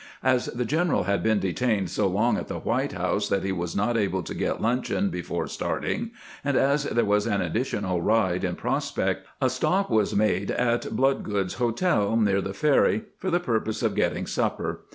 As the general had been detained so long at the White House that he was not able to get luncheon before starting, and as there was an additional ride in prospect, a stop was made at Bloodgood's Hotel, near the ferry, for the purpose of getting supper.